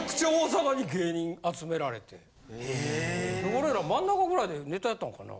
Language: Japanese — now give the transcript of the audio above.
俺ら真ん中ぐらいでネタやったんかな？